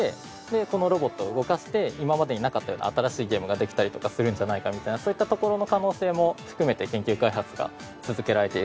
でこのロボットを動かして今までになかったような新しいゲームができたりとかするんじゃないかみたいなそういうったところの可能性も含めて研究開発が続けられているロボットになります。